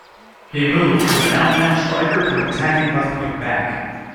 He moved from an out and out striker to an attacking left wing back.